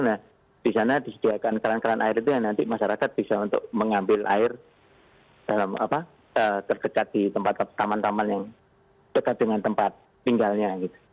nah di sana disediakan keran keran air itu yang nanti masyarakat bisa untuk mengambil air terkecat di tempat taman taman yang dekat dengan tempat tinggalnya